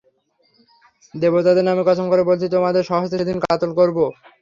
দেবতাদের নামে কসম করে বলছি, তোমাকে স্বহস্তে সেদিন কতল করব।